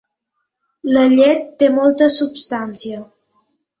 La llet té molta substància.